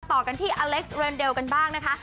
ต่อกันที่อเล็กซ์เรนเดลกันบ้างนะคะ